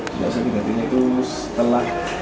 puncak sakit hatimu itu setelah